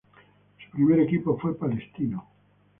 Su primer equipo fue Palestino.